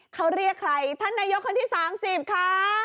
เขาเรียกใครท่านนายกคนที่สามสิบค่ะ